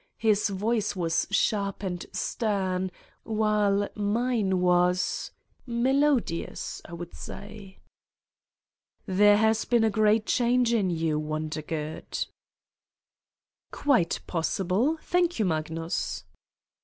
His voice was sharp and stern, while mine was ... melodious, I would say. Ill 'Satan's Diary " There lias been a great change in you, Won dergood." "Quite possible, thank you, Magnus."